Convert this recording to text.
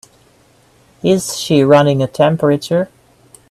Is she running a temperature?